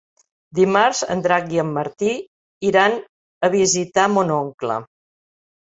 Dimarts en Drac i en Martí iran a visitar mon oncle.